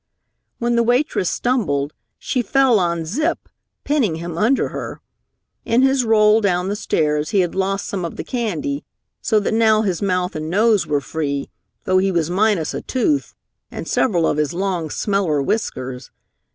When the waitress stumbled, she fell on Zip, pinning him under her. In his roll down the stairs, he had lost some of the candy, so that now his mouth and nose were free, though he was minus a tooth and several of his long smeller whiskers.